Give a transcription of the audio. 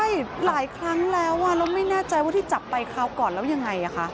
ใช่หลายครั้งแล้วแล้วไม่แน่ใจว่าที่จับไปคราวก่อนแล้วยังไงคะ